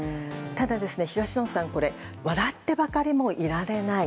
ただ、東野さんこれは笑ってばかりもいられない。